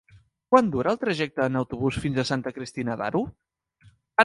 Quant dura el trajecte en autobús fins a Santa Cristina d'Aro?